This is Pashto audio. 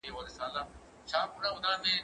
هغه څوک چي لوښي مينځي روغ وي!.